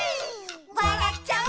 「わらっちゃう」